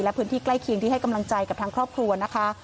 และพื้นที่ใกล้เคียงที่ให้กำลังใจกับทางครอบครัวนะคะ